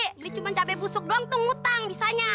ini cuma cabai busuk doang tuh ngutang bisanya